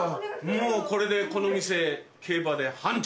もうこれでこの店競馬で繁盛！